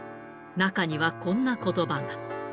中にはこんなことばが。